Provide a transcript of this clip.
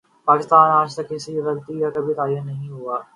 پاکستان میں آج تک کسی کی غلطی کا کبھی تعین نہیں ہوا